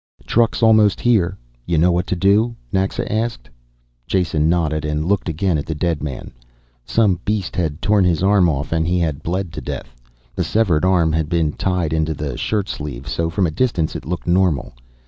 "Trucks almost here. Y'know what to do?" Naxa asked. Jason nodded, and looked again at the dead man. Some beast had torn his arm off and he had bled to death. The severed arm had been tied into the shirt sleeve, so from a distance it looked normal.